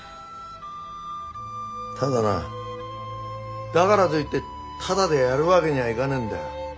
ただなあだからといってタダでやるわけにはいかねえんだよ。